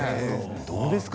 どうですか？